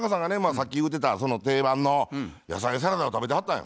さっき言うてた定番の野菜サラダを食べてはったんよ。